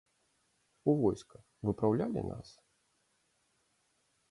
У войска выпраўлялі нас?